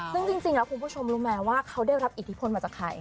ซึ่งจริงแล้วคุณผู้ชมรู้ไหมว่าเขาได้รับอิทธิพลมาจากใคร